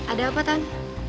ada apa tan